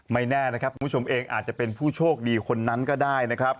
แน่นะครับคุณผู้ชมเองอาจจะเป็นผู้โชคดีคนนั้นก็ได้นะครับ